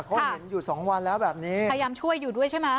เพราะเห็นอยู่สองวันแล้วแบบนี้พยายามช่วยอยู่ด้วยใช่ไหม